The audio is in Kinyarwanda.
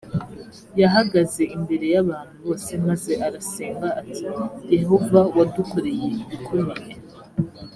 yahagaze imbere y’ abantu bose maze arasenga ati yehova wadukoreye ibikomeye